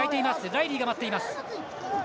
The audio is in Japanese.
ライリーが待っています。